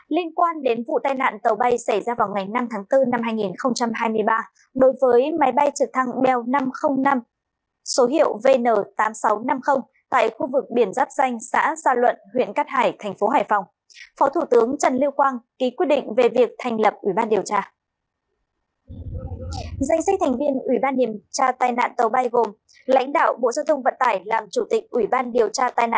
liên quan đến vụ tai nạn tàu bay xảy ra vào ngày năm tháng bốn năm hai nghìn hai mươi ba đối với máy bay trực thăng bell năm trăm linh năm số hiệu vn tám nghìn sáu trăm năm mươi tại khu vực biển giáp xanh xã sa luận huyện cát hải thành phố hải phòng phó thủ tướng trần lưu quang ký quyết định về việc thành lập ủy ban điều tra